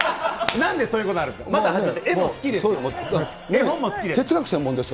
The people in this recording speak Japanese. なんでそういうことになるんですか。